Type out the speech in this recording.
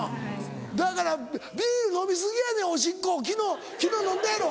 だからビール飲み過ぎやねんおしっこ昨日飲んだやろ。